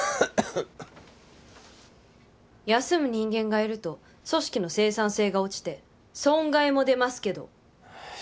休む人間がいると組織の生産性が落ちて損害も出ますけど。